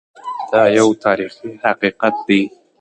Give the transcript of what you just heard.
دا یو تاریخي حقیقت دی.